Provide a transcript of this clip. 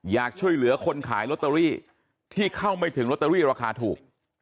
อยากช่วยเหลือคนขายลอตเตอรี่ที่เข้าไม่ถึงลอตเตอรี่ราคาถูก